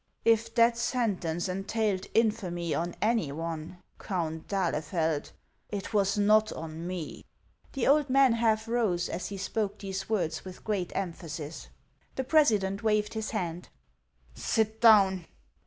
" If that sentence entailed infamy on any one, Count d'Ahlefeld, it was not on me." The old man half rose as he spoke these words with great emphasis. The president waved his hand. " Sit down.